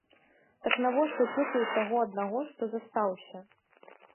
Так навошта цюкаць таго аднаго, што застаўся?